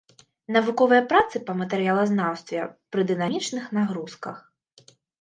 Навуковыя працы па матэрыялазнаўстве пры дынамічных нагрузках.